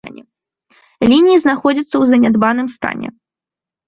Лініі знаходзяцца ў занядбаным стане.